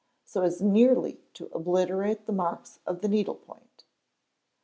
So as nearly to obliterate the marks of the needle point.